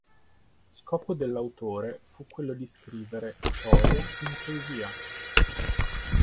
Scopo dell'autore fu quello di scrivere storia in poesia.